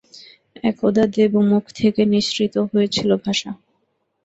একদা দেবমুখ থেকে নিঃসৃত হয়েছিল ভাষা।